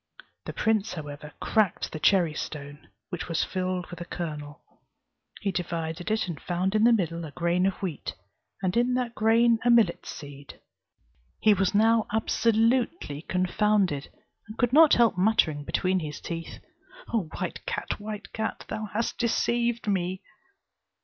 The prince however cracked the cherry stone, which was filled with a kernel: he divided it, and found in the middle a grain of wheat, and in that grain a millet seed. He was now absolutely confounded, and could not help muttering between his teeth: "O white cat, white cat, thou hast deceived me!"